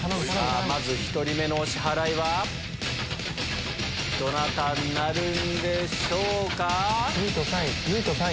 まず１人目のお支払いはどなたになるんでしょうか？